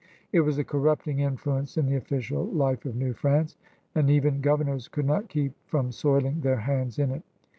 It was a corrupting influence in the official life of New France, and even governors could not keep from soiling their hands in it.